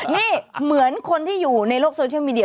นี่เหมือนคนที่อยู่ในโลกโซเชียลมีเดีย